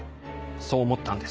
そう思ったんです。